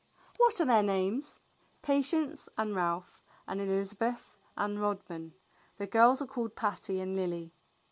"What are their names?" "Patience and Ralph and Elizabeth and Rodman. The girls are called Patty and Lily."